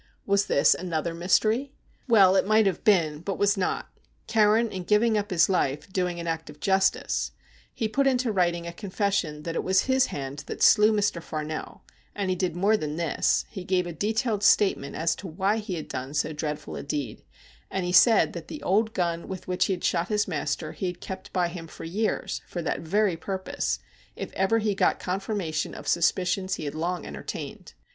Was this another mystery ? Well, it might have been, but was not, Carron, in giving up his life, doing an act of justice. He put into writing a confession that it was his hand that slew Mr. Farnell, and he did more than tins — he gave a detailed statement as to why he had done so dreadful a deed ; and he said that the old gun with which he had shot his master he had kept by him for years for that very purpose, if ever he got confirmation of suspicions he had long entertained.